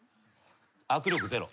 握力ゼロ。